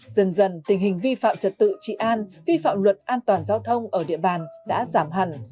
dần dần tình hình vi phạm trật tự trị an vi phạm luật an toàn giao thông ở địa bàn đã giảm hẳn